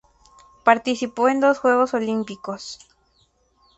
Participó en dos Juegos Olimpicos.